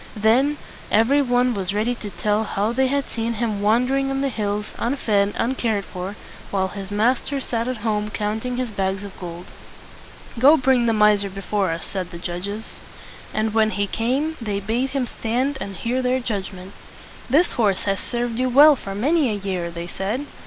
Then every one was ready to tell how they had seen him wan der ing on the hills, unfed, un cared for, while his master sat at home counting his bags of gold. "Go bring the miser before us," said the judges. [Illustration: "Some one has done me wrong!"] And when he came, they bade him stand and hear their judg ment. "This horse has served you well for many a year," they said.